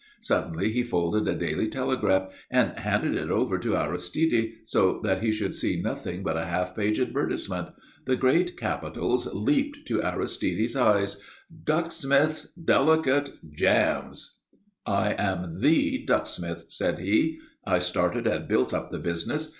Suddenly he folded a Daily Telegraph, and handed it over to Aristide so that he should see nothing but a half page advertisement. The great capitals leaped to Aristide's eyes: "DUCKSMITH'S DELICATE JAMS." "I am the Ducksmith," said he. "I started and built up the business.